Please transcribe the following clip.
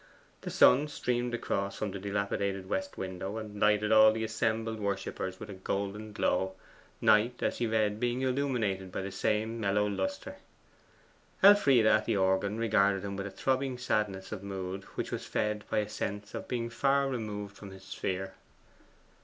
The sun streamed across from the dilapidated west window, and lighted all the assembled worshippers with a golden glow, Knight as he read being illuminated by the same mellow lustre. Elfride at the organ regarded him with a throbbing sadness of mood which was fed by a sense of being far removed from his sphere.